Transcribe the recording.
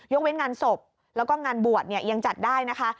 เว้นงานศพแล้วก็งานบวชเนี่ยยังจัดได้นะคะ